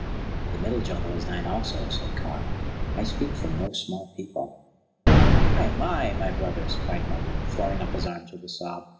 "The Middle Jungle is thine also," said Kaa. "I speak for no small people." "Hai mai, my brothers," cried Mowgli, throwing up his arms with a sob.